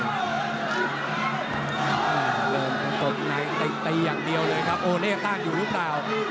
เริ่มตบในตีอย่างเดียวเลยครับโอเล่ต้านอยู่หรือเปล่า